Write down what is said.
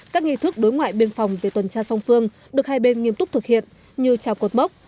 các nghi thức đối ngoại biên phòng về tuần tra song phương được hai bên nghiêm túc thực hiện như trào cột mốc